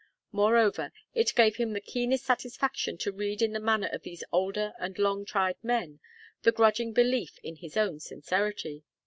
Moreover, it gave him the keenest satisfaction to read in the manner of these older and long tried men the grudging belief in his own sincerity.